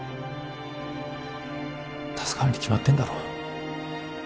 助かるに決まってんだろう。